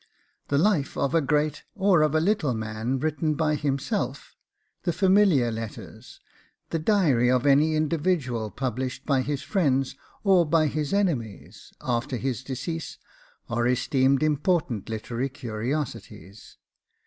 The life of a great or of a little man written by himself, the familiar letters, the diary of any individual published by his friends or by his enemies, after his decease, are esteemed important literary curiosities.